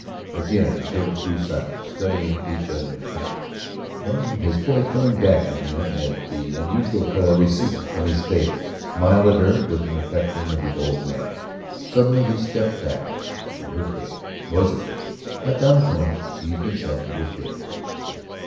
Again they grew silent, studying each other intently. Norton, his poise coming back to him as the unusual color receded from his face, smiled at her with an affectation of his old manner. Suddenly he stepped back to her table, noiselessly set down the coins, eased himself into a chair.